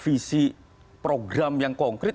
visi program yang konkret